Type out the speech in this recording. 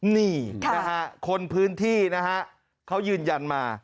นี่คนพื้นที่เขายืนยันมา